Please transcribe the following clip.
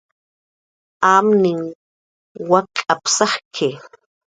"Amninh wak'ap"" sajki"